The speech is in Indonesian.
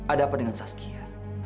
ada apa dengan saskia